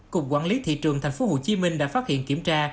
cục quản lý thị trường tp hcm đã phát hiện kiểm tra